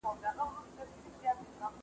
دا کتاب د ټولنیزو اخلاقو په اړه لیکل شوی دی.